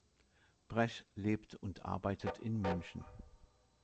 Brech lebt und arbeitet in München.